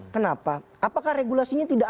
kenapa apakah regulasinya tidak